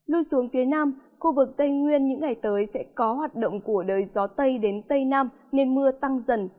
lui xuống phía nam khu vực tây nguyên những ngày tới sẽ có hoạt động của đời gió tây đến tây nam nên mưa tăng dần